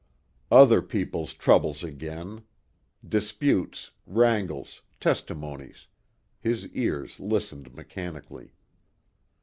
Other people's troubles again. Disputes, wrangles, testimonies his ears listened mechanically.